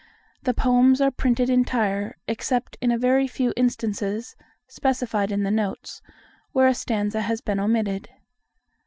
The poems are printed entire, except in a very few instances (specified in the notes) where a stanza has been omitted.